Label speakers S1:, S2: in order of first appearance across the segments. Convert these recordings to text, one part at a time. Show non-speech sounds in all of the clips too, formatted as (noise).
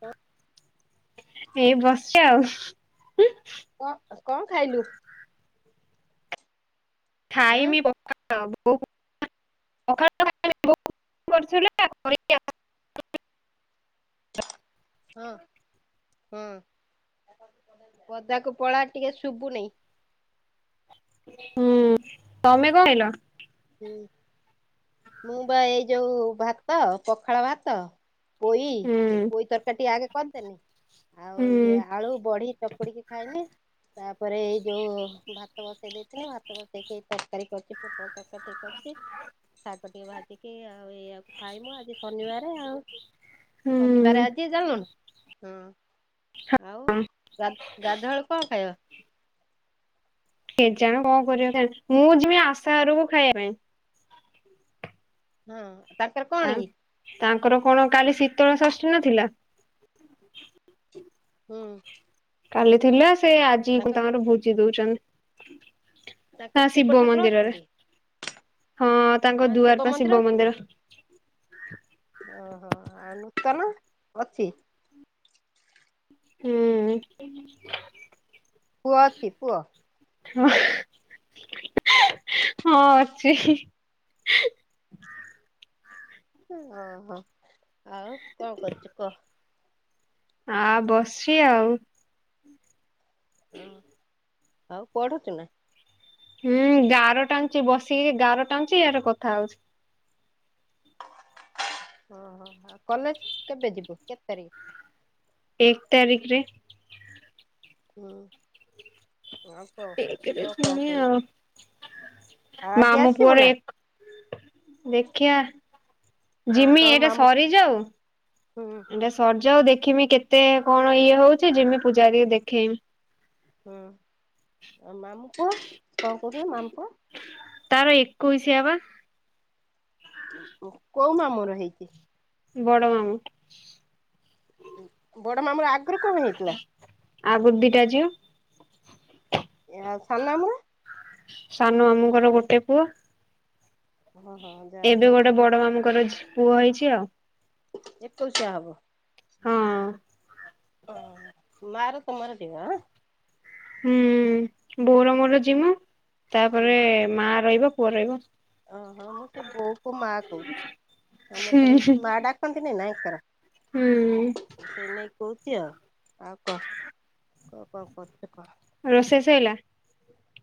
S1: ତ
S2: ଏଇ ବସଛି ଆଉ ହୂ
S1: କଣ କଣ ଖାଇଲୁ? ଆଁ
S2: ଖାଇମି ବ (unintelligible)
S1: ହଁ ହଁ ପଦାକୁ ପଳା ଟିକେ ଶୁଭୁନି।
S2: ହୁଁ ତମେ କଣ ଖାଇଲ
S1: ହୁଁ, ମୁଁ ବା ଏଇ ଯୋଉ ଭାତ, ପଖାଳ ଭାତ ପୋଇ
S2: ହୁଁ
S1: ପୋଇ ତରକାରୀ ଟିକେ ଆଗେ କରିଦେନି ଆଉ ଇଏ
S2: ହୁଁ
S1: ଆଳୁ, ବଢି ଚକୁଡ଼ିକି ଖାଇନି। ତାପରେ ଏଇ ଯୋଉ ଭାତ ବସେଇ ଦେଇଥିନି। ଭାତ ତରକାରୀ ପୋଟଳ ତରୀ ଟିକେ କରିଛି। ସାଗ ଟିକେ ଭାଜି ଏଆ ଏଇଆକୁ ଖାଇମୁ ଆଜି ଶନିବାର ଆଉ ଶନିବାର
S2: ହୁଁ
S1: ଆଜି ଯାଉ। ହଁ ଆଉ ଗାଧଆ କଣ ଖାଇବା?
S2: କେ ଜାଣେ କଣ କରିବଣ? ମୁଁ ଯମି ଆଶା ଘରକୁ ଖାଇବା ପାଇଁ।
S1: ହଁ, ତାରଙ୍କର କଣ
S2: ତା-
S1: କି?
S2: ତାଙ୍କର କଣ କାଲି ଶୀତଳ ଷଷ୍ଠୀ ନଥିଲା।
S1: ହୁଁ
S2: କାଲି ଥିଲା। ସେ ଆଜି ତାଙ୍କର ଭୋଜି ଦଉଛନ୍ତି।
S1: ତାଙ୍କର
S2: ହଁ ଶିବ
S1: ଠାକୁର
S2: ମନ୍ଦିରରେ
S1: ଅଛନ୍ତି
S2: ହଁ, ତାଙ୍କ ଦୁଆର ପା ଶିବ ମନ୍ଦିର
S1: ଓହୋ ଆଉ ନୂତନ ଅଛି।
S2: ହୁଁ
S1: ପୁଅ ଅଛି ପୁଅ।
S2: ହଁ (inaudible) ହଁ ଅଛି।
S1: ହଁ ହଁ ଆଉ କଣ କରୁଛୁ କହ?
S2: ଆ ବସଛି ଆଉ।
S1: ହଁ, ଆଉ ପଢୁଛୁ ନା?
S2: ହୁଁ, ଗାର ଟାଣୁଛି ବସିକି ଗାର ଟାଣୁଛି। ୟାର କଥା ହଉଛି।
S1: ଓହୋ, କଲେଜ କେବେ ଯିବୁ। କେତେ ତାରିଖ?
S2: ଏକ ତାରିଖରେ।
S1: ହଁ ହଁ, ଆଉ କହ
S2: ଏକରେ
S1: କୁହ କଣ
S2: ଜିମି
S1: କହିବି?
S2: ଆଉ
S1: ଆଜିି
S2: ମାମୁଁ
S1: ଆସିବୁ
S2: ପୁଅର
S1: ନା?
S2: ଏକ ଦେଖିଆ
S1: ହଁ
S2: ଜିମି।
S1: କଣ
S2: ଏଟା
S1: ମାମୁଁ
S2: ସରିଯାଉ
S1: ହୁଁ
S2: ଏଟା ସରିଯାଉ ଦେଖମି କେତେ ଏତେ କଣ ଇଏ ହଉଛି। ଯେମି ପୂଜାରି କୁ ଦେଖେଇମି।
S1: ହଁ, ଆଉ ମାମଠୁ କଣ କହୁଥିଲ ମାମ
S2: ତାର ଏକୋଇଶିଆ ବା।
S1: କୋଉ ମାମୁର ହେଇଛି?
S2: ବଡ଼ ମାମୁ।
S1: ବଡ ମାମର ଆଗରୁ କଣ ହେଇଥିଲା
S2: ଆଗରୁ ଦିଟା ଝିଅ
S1: ଆଉ ସାନ ମାମୁଁ ର
S2: ସାନ ମାମୁଙ୍କର ଗୋଟେ ପୁଅ।
S1: ଓହୋ ଯାହା
S2: ଏବେ
S1: ହଉ
S2: ଗୋଟେ ବଡ ମାମୁଙ୍କର ଝ୍ ପୁଅ ହେଇଛି ଆଉ।
S1: ଏକୋଇସିଆ ହବ।
S2: ହଁ।
S1: ଓ ମାଆ ର ତମର ଯିବ ଆଁ?
S2: ହୁଁ, ବୋଉର ମୋର ଯିମୁ, ତାପରେ ମା ରହିବ ପୁଅ ରହିବ।
S1: ଓହୋ ମୁଁ ସେ ବୋଉ କୁ ମାଆ କୁ ସମସ୍ତେ ସବ ମାଆ ଡାକନ୍ତୀନି ନା ଏକର?
S2: ହୁଁ
S1: ସେଇ ନେଇକି କହୁଛି ଆଉ, ଆଉ କଣ କ କଣ କରୁଛୁ କହ?
S2: ରୋଷେଇ ସଇଲା?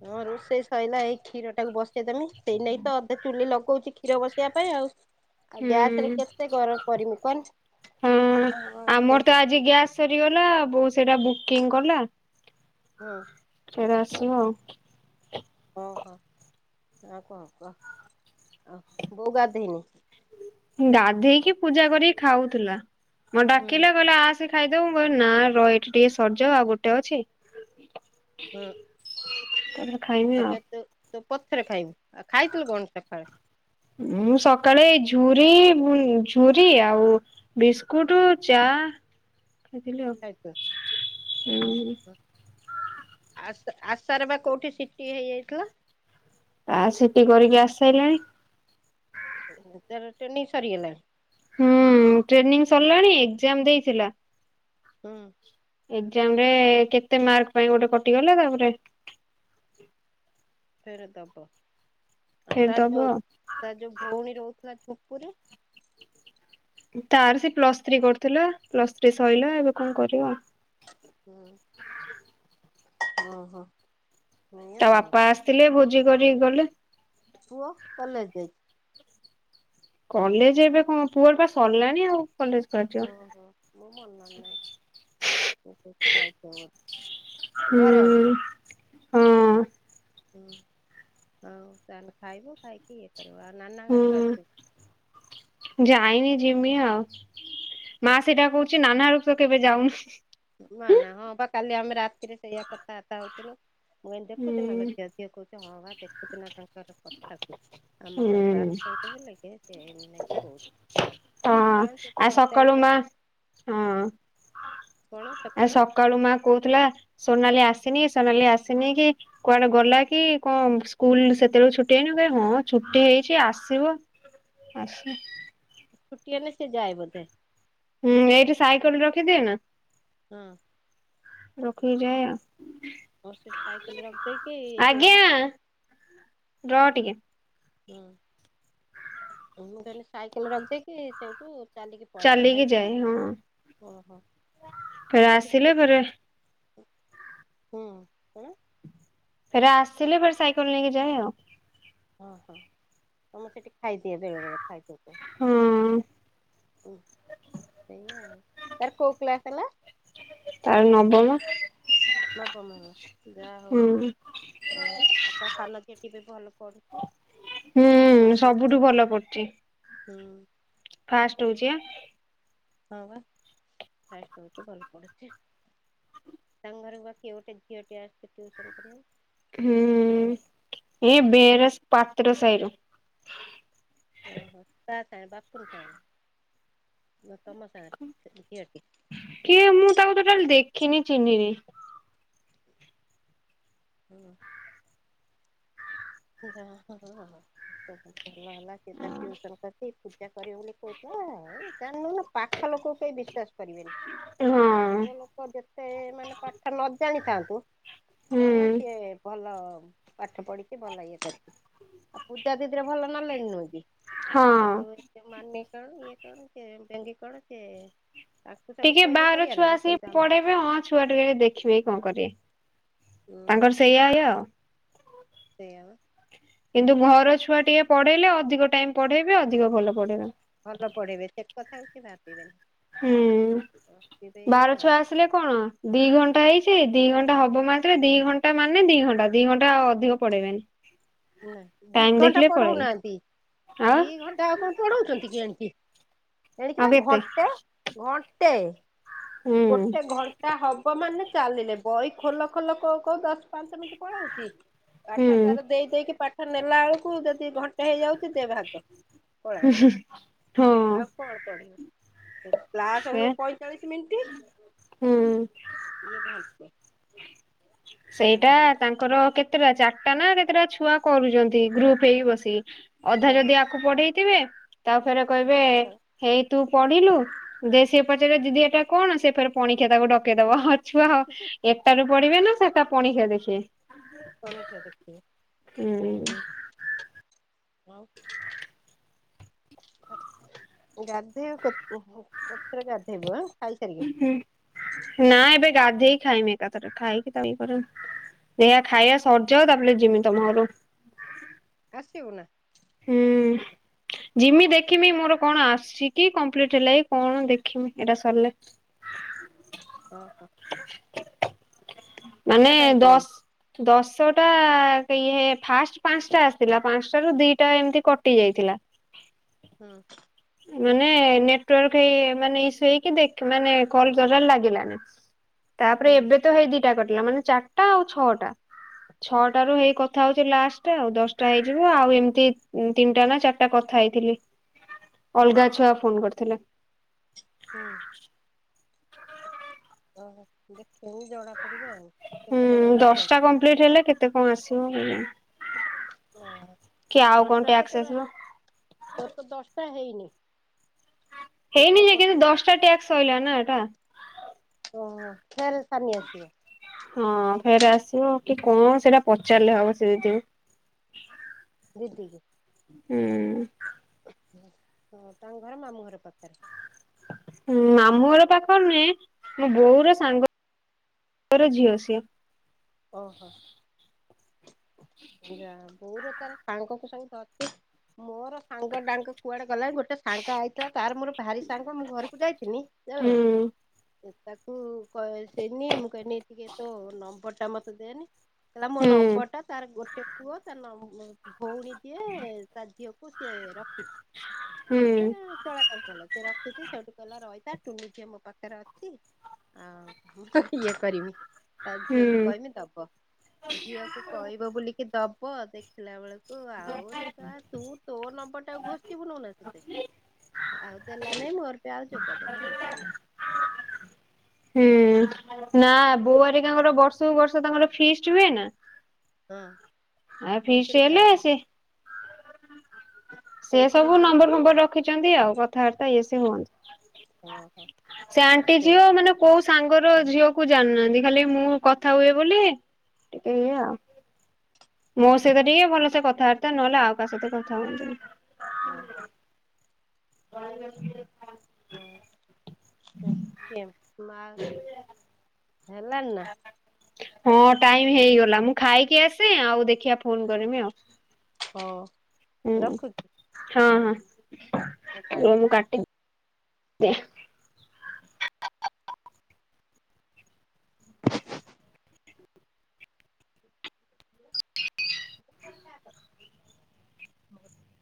S1: ହଁ ରୋଷେଇ ସଇଲା, ଏଇ କ୍ଷୀର ଟାକୁ ବସେଇଦେମି ସେଇ ନାକି ତ ଅଧେ ଚୁଲି ଲଗଉଛିି କ୍ଷୀର ବସିବା ପାଇଁ ଆଉ। ଆଉ ଗ୍ୟାସ ରେ
S2: ହୁଁ
S1: କେତେ ଗରମ କରିମି
S2: ହଁ
S1: କହନି ସେ
S2: ଆମର ତ ଆଜି ଗ୍ୟାସ୍ ସରିଗଲା ବଉ ସେଇଟା ବୁକିଂ କଲା।
S1: ହଁ।
S2: ଫେର ଆସିବ ଆଉ।
S1: ହଁ, ହଁ ଆଉ କଣ କହ, ଆଉ ବୋଉ ଗାଧେଇନି?
S2: ଗାଧେଇକି ପୂଜା କରିକି ଖାଉଥିଲା ମୋତେ
S1: ହୁଁ
S2: ଡାକିଲା କହିଲା ଆ ସେ ଖାଇଦବୁ, ମୁଁ କହିବି ନା ର ଏଠି ଟିକେ ସରିଯାଉ ଆଉ ଗୋଟେ ଅଛି।
S1: ହଁ।
S2: ତ
S1: ଆପରେ ତୁ ତୁ ପଥରେ ଖାଇବୁ ଆଉ ଖାଇଥିଲୁ କଣ ସକାଳେ?
S2: ମୁଁ ସକାଳେ ଝୁରି ଝୁରି ଆଉ ବିସ୍କୁଟ ଚା ଖାଇଥିଲି ଆଉ ହୁଁ
S1: ଆ ଆଶାର ବା କୋଉଠି ସିଟି ହେଇଯାଇଥିଲା?
S2: ଆ ସିଟି କରିକି ଆସିସାଇଲାଣି।
S1: ତାର ଟେନିଂ ସରିଗଲା?
S2: ହୁଁ ଟ୍ରେନିଂ ସରିଲାଣି ଏକ୍ଜାମ ଦେଇଥିଲା।
S1: ହୁଁ।
S2: ଏକ୍ ଜାମ ରେ କେତେ ମାର୍କ ପାଇଁ ଗୋଟେ କଟିଗଲେ ତାପରେ
S1: ଫେର ଦବ ଆଉ
S2: ଫେର
S1: ତା
S2: ଦବ
S1: ଯୋଉ
S2: ଆଉ।
S1: ତା ଯୋଉ ଭଉଣୀ ରହୁଥିଲା ଝୁମ୍ପୁରି
S2: ତାର ସେ ପ୍ଲସ୍ ଥ୍ରୀ କରୁଥିଲା ପ୍ଲସ୍ ଥ୍ରୀ ସରିଲା ଏବେ କଣ କରିବ।
S1: ଓହ
S2: ତା ବାପା ଆସିଥିଲେ ଭୋଜି କରିକି ଗଲେ।
S1: ପୁଅ କଲେଜ ଯାଇଛି?
S2: କଲେଜ ଏବେ କଣ ପୁଅର ପା ସରିଲାଣି ଆଉ। କଲେଜ ଯିବ।
S1: ଓହୋ ମୋର ମନ ର ନାଇଁ। ମୁଁ କୋଉଛି ଯାଇଥିବ ବୋଲି, ଘରେ
S2: ହୁଁ
S1: ଅଛି?
S2: ହଁ।
S1: ହୁଁ ହଉ ତାହେଲେ ଖାଇବ ଖାଇକି ଇଏ କରିବ ଆଉ ନାନା
S2: ହୁଁ
S1: ଘରକୁ ଆସିବୁ।
S2: ଯାଇନି ଯିମି ଆଉ ମା ସେଇଟା କହୁ ଛି ନାନା ରପ କେବେ ଯାଉନୁ?
S1: ନାନା ହଁ ବା କାଲି ଆମେ ରାତିରେ ସେଇଆ କଥାବାର୍ତା ହଉଥିଲୁ। ମୁଁ କହିଲି ଦେଖୁଛୁ ନା ଝିଅ ଝିଅ କହୁଛି ହଁ ବା ଦେଖୁଛି ନା ତାଙ୍କର କଥାକୁ। ଆମ
S2: ହୁଁ
S1: ଘରକୁ ଆସନ୍ତୁ ବୋଲିକି ସେ ଏମିତି କହୁ
S2: ହଁ
S1: କହୁଥାନ୍ତୁ
S2: ଆ
S1: ତ ଏକ
S2: ସକାଳୁ
S1: ତାରିଖ
S2: ମା ହଁ।
S1: କଣ
S2: ଆ
S1: ସକାଳ?
S2: ସକାଳୁ ମା କହୁଥିଲା ସୋନାଲି ଆସିନି ସୋନାଲି ଆସିନି କି? କୁଆଡେ ଗଲା କି କଣ? ସ୍କୁଲ ସେତେବେଳକୁ ଛୁଟି ହେଇନି (unintelligible) ହଁ ଛୁଟି ହେଇଛି ଆସିବ। ଆସୁ।
S1: ଛୁଟି ହେନେ ସିଏ ଯାଏ ବୋଧେ?
S2: ହୁଁ ଏଇଠି ସାଇକଲ୍ ରଖିଦିଏ ନା?
S1: ହଁ।
S2: ରଖିକି ଯାଏ ଆଉ।
S1: ହଁ ସେ ସାଇକେଲ୍ ରଖଦେଇକି ଏଇ
S2: ଆଜ୍ଞା
S1: ଯୋଉ (unintelligible)
S2: ରହ ଟିକେ।
S1: ହୁଁ। ମୁଁ କହିଲି ସାଇକେଲ୍ ରଖିଦଇକି ସେଉଠୁ
S2: ଚାଲିକି ଯାଏ। ହଁ।
S1: ଓହୋ
S2: ଫେରେ
S1: ଆଜି ବୋଧେ
S2: ଆସିଲେ ଫେରେ
S1: ହୁଁ। କଣ?
S2: ଫରେ ଆସିଲେ ଫର୍ ସାଇକଲ୍ ନେଇକି ଯାଏ ଆଉ।
S1: ହଁ ହଁ। ତମେ ସେଠି ଖାଇଦିଏ ବେଳେବେଳେ ଖାଇଦି
S2: ହଁ
S1: (unintelligible) ତାର କୋଉ କ୍ଲାସ ହେଲା?
S2: ତାର ନବମ।
S1: ନବମ ହେଲା। ଯା ହଉ
S2: ହୁଁ
S1: ଆ ଆଉ ତା ସାନ ଝିଅ (unintelligible) ବି ଭଲ ପଢୁଛି?
S2: ହୁଁ
S1: କହୁଛନ୍ତି ତ
S2: ସବୁଠୁ ଭଲ ପଢୁଚି।
S1: ହୁଁ।
S2: ଫାଷ୍ଟ ହଉଚି ଆ।
S1: ହଁ ବା। ଫାଷ୍ଟ ହଉଚି ଭଲ ପଢ଼ୁଚି। ତାଙ୍କ ଘରକୁ ବା କିଏ ଗୋଟେ ଝିଅଟିଏ ଆସୁଚି, ଟ୍ୟୁସନ୍ କରିଆକୁ?
S2: ହୁଁ। ଏଇ ବେରସ୍ ପାତ୍ର ସାହିରୁ।
S1: ଓହୋ। କାହା ସଙ୍ଗରେ ବାପୁନ୍ ସାଙ୍ଗେରେ ନା ତମ ସାଙ୍ଗରେ ସେ ଝିଅଟି?
S2: କିଏ ମୁଁ ତାକୁ ଟୋଟାଲି ଦେଖିନି ଚିହ୍ନିନି?
S1: ହଁ। (unintelligible) ହଁ ଭଲ ହେଲା। ସିଏ ତାର ଟ୍ୟୁସନ୍ କରୁଚି। ପୂଜା କରିବ ବୋଲି କହୁଥିଲା। ଏ ଜାଣିନୁ ନା ପାଖ ଲୋକକୁ କେହି ବିଶ୍ଵାସ କରିବେନି?
S2: ହଁ
S1: ଦୂର ଲୋକ ଯେତେ ମାନେ ପାଠ ନ ଜାଣିଥାନ୍ତୁ?
S2: ହୁଁ
S1: କଣ ନା ସିଏ ଭଲ ପାଠ ପଢି ସିଏ ଭଲ ଇଏ କରଛି। ଆଉ ପୂଜା ଦିଦିର ଭଲ ନଲେଜ୍ ନୁହେଁ କି?
S2: ହଁ
S1: କିନ୍ତୁ ସେ ମାନି କଣ ଇଏ କର ସିଏ ବେଙ୍ଗି କଣ ସିଏ
S2: ଟିକେ ବାହାର ଛୁଆ ଆସିକି
S1: ଆମ
S2: ପଢେଇବେ ହଁ ଛୁଆଟିକେ ଦେଖିବେ କି କଣ କରିବେ?
S1: ହୁଁ
S2: ତାଙ୍କର ସେୟା ଇଏ ଆଉ।
S1: ସେଇଆ ବା।
S2: କିନ୍ତୁ ଘର ଛୁଆ ଟିକେ ପଢେଇଲେ ଅଧିକ ଟାଇମ୍ ପଢେଇବେ ଅଧିକ ଭଲ ପଢେଇବେ।
S1: ଭଲ ପଢ଼େଇବେ। ସେ କଥାକୁ କିଏ ଭାବିବେନି।
S2: ହୁଁ
S1: ଭାବିବେ
S2: ବାହାର
S1: ଏଇଆ ଆଉ
S2: ଛୁଆ ଆସି ହେଲେ କଣ? ଦି ଘଣ୍ଟା ହେଇଛି। ଦି ଘଣ୍ଟା ହବ ମାତ୍ରେ ଦି ଘଣ୍ଟା ମାନେ ଦି ଘଣ୍ଟା। ଦି ଘଣ୍ଟା ଆଉ ଅଧିକ ପଢେଇବେନି।
S1: ନା ଦି
S2: ଟାଇମ
S1: ଘଣ୍ଟା
S2: ଦେଖିଲେ ପଳେଇବେ
S1: ପଢଉନାହାନ୍ତି
S2: ଆଉ
S1: ଦି ଘ ସିଏ ଆଉ କଣ ପଢଉଛନ୍ତି କି ଏଣିକି?
S2: ଆଉ
S1: ଏଣିକିବା
S2: କେତେ
S1: ଘଣ୍ଟେ? ଘଣ୍ଟେ।
S2: ହୁଁ।
S1: ଗୋଟେ ଘଣ୍ଟା ହବ ମାନେ ଚାଲିଲେ। ବହି ଖୋଲ ଖୋଲ କହୁ କହୁ ଦଶ୍ ପାଞ୍ଚ ମିନିଟ୍ ପଳଉଚି
S2: ହୁଁ
S1: ପାଠ ତାର ଦେଇ ଦେଇକି ପାଠ ନେଲା ବେଳକୁ ଯଦି ଘଣ୍ଟେ ହେଇଯାଉଛି ଦେ ଭାର୍କର
S2: ହଁ
S1: ପଳାଅ ଆଉ କଣ ପଢିବ କ୍ଲାସ୍
S2: ଏ
S1: ହୁଏ ପଇଁଚାଳିଶି ମିଣ୍ଟି
S2: ହୁଁ।
S1: ଇଏ ଘଣ୍ଟେ। ଆଉ
S2: ସେଇଟା
S1: ଏଇ
S2: ତାଙ୍କ ତାଙ୍କର କେତେଟା ଚାରିଟା ନା କେତେଟା ଛୁଆ କରୁଛନ୍ତି ଗ୍ରୁପ ହେଇ ବସିିକ ଅଧା ଯଦି ଆ କୁ ପଢେଇଥିବେ ତା ଫେରେ କହିବେ ହେଇ ତୁ ପଢିଲୁ ଦେ ସିଏ ପଚାରିବ ଦିଦି ଏଟା କଣ? ସେ ଫରେ ପଣିକିଆ ତାକୁ ଡକେଇଦବ। ଛୁଆ ହ ଏଟାରୁ ପଢିବେ ନା ସେଟା ପାଣିଖିଆ ଦେଖିବେ?
S1: ପଣିକିଆ ଦେଖିବେ
S2: ହୁଁ
S1: ହୁଁ ଆଉ ଗାଧେଇବ ପେ ଉ ଊ ପତ୍ର ଗାଧେଇବ।
S2: ହୁଁ ନାଁ ଏବେ ଗାଧେଇ ଖାଇ ମି ଏକାଥରେ ଖାଇକି ତା ଇଏ କରିମ୍। ସେ ଖାଇବା ସରିଯାଉ ତାପରେ ଯମି ତମ ଘରୁ।
S1: ଆସିବୁ ନା?
S2: ହୁଁ। ଯିମି ଦେଖମି ମୋର କଣ ଆସ କିି କମ୍ପ୍ଲିଟ ହେଲା ଏ କଣ ଦେଖମି ଏଇଟା ସରିଲେ।
S1: ହଁ ହଁ
S2: ମାନେ
S1: କେତେଟା ହେଇଥିଲା କି?
S2: ଦଶ ଦଶଟା ସେ ଇଏ ଫାଷ୍ଟ ପାଞ୍ଚଟା ଆସିଥିଲା ପାଞ୍ଚଟ ରୁ ଦିଟା ଏମିତି କଟି ଯାଇଥିଲା।
S1: ହଁ।
S2: ମାନେ ନେଟୱାର୍କ ଏ ମାନେ ଇସୁ ହେଇ ଦେଖ ମାନେ କଲ ତୋର୍ ଲାଗିଲାନି। ତାପରେ
S1: ହୁଁ
S2: ଏବେ ତ ହେଇ ଦିଟା କଟିଲା ମାନେ ଚାରିଟା ଆଉ ଛଅଟା। ଛଅଟା ରୁ ହେଇ କଥା ହଉଛି ଲାଷ୍ଟ ଆଉ ଦଶଟା ହେଇଯିବ ଆଉ ଏମିତି ଉ ତିନିଟା ନା ଚାର ଟା କଥା ହେଇଥିଲି। ଅଲଗା ଛୁଆ ଫୋନ୍ କରିଥିଲେ।
S1: ହଁ। ଓହୋ ଦେଖ ହୋଉ ଜଣାା ପଡିବ ଆଉ।
S2: ହୁଁ
S1: କେତେଟା ରହିଛି ଆଉ
S2: ଦଶଟା କମ୍ପ୍ଲିଟ ହେଲେ କେତେ କଣ ଆସିବ? ହୁଁ।
S1: ଓହୋ
S2: କି ଆଉ କଣ
S1: ଦଶଟା ତ ତୋର
S2: ଟ୍ୟାକ୍ସ ଥିବ?
S1: ତୋର ତ ଦଶଟା ହେଇନି।
S2: ହେଇନି
S1: କୋଉଠିକା
S2: ଯେ କିନ୍ତୁ
S1: କଟିଗଲା
S2: ଦଶଟା ଟ୍ୟାକ୍ସ ସଇଲା ନା ଏଟା।
S1: ଓ ଫେରେ ସାନି ଆସିବ।
S2: ହଁ ଫେର ଆସିବ କି କଣ ସେଇଟା ପଚାରିଲେ ହବ ସେ ଯୋଉ।
S1: ଦିଦି।
S2: ହୁଁ
S1: ଓ ତାଙ୍କ ଘର ମାମୁଁ ଘର ପାଖରେ।
S2: ଉଁ ମାମୁଁର ପାଖରେ ନୁହେଁ ମୋ ବୋଉ ର ସାଙ୍ଗ ର ଝିଅ ସିଏ।
S1: ଓହୋ ଯା ହେଉ ବୋଉର ତାର। ସାଙ୍ଗ କୁ ସେମି କର୍ଚି ମୋର ସାଙ୍ଗ ଡାଙ୍ଗ କୁଆଡ଼େ ଗଲା ଗୋଟେ ସାଙ୍ଗ ଆଇଥିଲା ତାର ମୋର ଭାରି ସାଙ୍ଗ ମୁଁ ଘରକୁ ଯାଇଥିନି
S2: ହୁଁ।
S1: ଜାଣିଲୁନା। ତାକୁ କ ସେନି ମୁଁ କହନି ଟିକେ ତୋ ନମ୍ବର ଟା ମତେ ଦେନି। ହେଲା ମୋ
S2: ହୁଁ
S1: ନମ୍ବର ଟା ତାର ଗୋଟେ ପୁଅ ତା ନମ୍ ଭଉଣୀଟିଏ ତା ଝିଅକୁ ସିଏ ରଖିଛି,
S2: ହୁଁ
S1: ଏତେ ଚଳା (unintelligible) ସେ ରଖିଛି ସେଇଠୁ କଇଲା ରଇଥା ଟୁୁନି ଝିଅ ମୋ ପାଖରେ ଅଛି। ଆଉ ମୁଁ ତ ଇଏ କରିନି। ତା
S2: ହୁଁ
S1: ଝିଅକୁ କହିନେ ଦବ ଝିଅକୁ କହିବ ବୋଲିକି ଦବ ଦେ ଥିଲା ବେଳକୁ ଆଉରେ ତା ତୁ ତୋ ନମ୍ବର ଟାକୁ ଘୋଷିବୁ ନେଇନା ସେତେ। ଆଉ ଦେଲା ନେଇଁ ମୋର ସେ ଆଉ ଯୋଗାଯୋଗ ହେଇପାଇଲାନି।
S2: ହୁଁ ନା ବୋଉ ଏରୀ କାଙ୍କର ବର୍ଷକୁ ବର୍ଷ ତାଙ୍କର ଫିଷ୍ଟ ହୁଏ ନା।
S1: ହଁ
S2: ଆ
S1: ସେଇଥିରେ
S2: ଫିଷ୍ଟ ହେଲେ
S1: ଯାଆନ୍ତି
S2: ସିଏ ସେ
S1: ସେଇଥିରେ
S2: ସବୁ
S1: ଯାଇ
S2: ନମ୍ବର ଫମ୍ବର ରଖିଚନ୍ତି ଆଉ କଥାବାର୍ତ୍ତା ଇଏ ସିଏ
S1: ହଁ
S2: ହୁଅନ୍ତୁ। ସେ
S1: ହଁ
S2: ଆଣ୍ଟି
S1: ସେଇ
S2: ଝିଅ ମାନେ କୋଉ ସାଙ୍ଗର ଝିଅ କୁ ଜାଣୁନାହାନ୍ତି ଖାଲି ମୁଁ କଥା ହୁଏ ବୋଲି ଟିକେ ଇଏ ଆଉ। ମୋ
S1: ହଁ
S2: ସହିତ ଟିକେ ଭଲସେ କଥାବାର୍ତ୍ତା ନହେଲେ ଆଉ କାହା ସହିତ କଥା ହୁଅନ୍ତି ନି।
S1: ହଁ।
S2: ଆ (unintelligible)
S1: କିଏ ମା ହେଲା ନା।
S2: ହଁ ଟାଇମ୍ ହେଇଗଲା ମୁଁ ଖାଇକି ଆସେ ଆଉ ଦେଖିବା ଫୋନ୍‌ କରମି ଆଉ।
S1: ହଉ।
S2: ହୁଁ ହଁ ହଁ।
S1: କଥା ବାର୍ତ୍ତା।
S2: ଦେ।